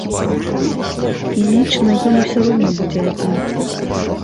Фізічна ён усё роўна будзе адзін!